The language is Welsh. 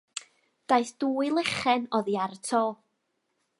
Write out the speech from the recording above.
Daeth dwy lechen oddi ar y to.